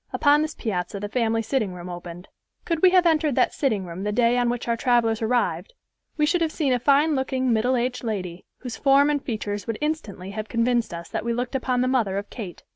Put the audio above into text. Upon this piazza the family sitting room opened. Could we have entered that sitting room the day on which our travelers arrived, we should have seen a fine looking, middle aged lady, whose form and features would instantly have convinced us that we looked upon the mother of Kate.